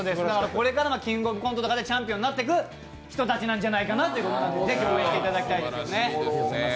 これからの「キングオブコント」でチャンピオンになっていく人たちじゃないかなと思っているのでぜひ応援していただきたいですね。